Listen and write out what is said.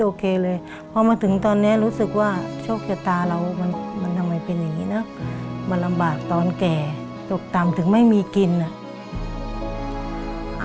โอเคเลยเขามาถึงตอนนี้รู้สึกว่าโชควุธตาเรามันทำไปเป็นอย่างงี้นะแบบตอนแก่ตกต่ำถึงไม่มีกลิ่นนะ